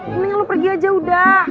mendingan lu pergi aja udah